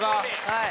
はい。